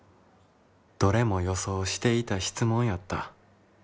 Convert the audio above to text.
「どれも予想していた質問やった」。